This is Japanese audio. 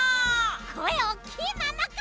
こえおっきいままか！